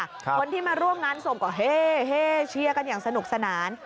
คนที่มาร่วมงานส่งก็เฮ่เฮ่เชื่อกันอย่างสนุกสนาน